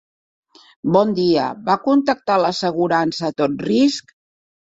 Bon dia, va contractar l'assegurança a tot risc?